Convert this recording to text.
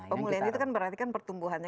pemulihan itu kan berarti kan pertumbuhannya